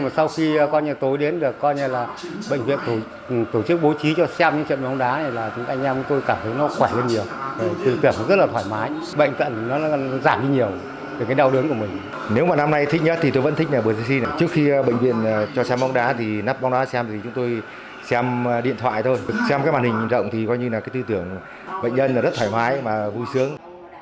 xem cái màn hình rộng thì coi như là cái tư tưởng bệnh nhân là rất thoải mái và vui sướng